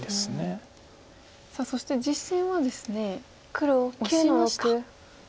さあそして実戦はですねオシました。